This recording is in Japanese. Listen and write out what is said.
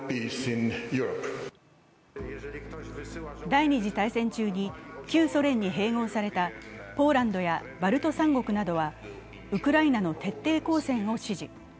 第二次大戦中に旧ソ連に併合されたポーランドやバルト３国などはウクライナの徹底抗戦を支持。